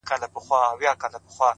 • دعا ، دعا ،دعا ، دعا كومه،